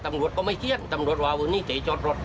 ตำรวจก็ไม่เครียดตำรวจว่าวันนี้เจ๊จอดรถ